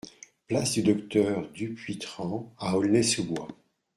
Place du Docteur Dupuytren à Aulnay-sous-Bois